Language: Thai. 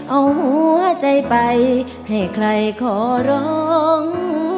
เอาหัวใจไปให้ใครขอร้อง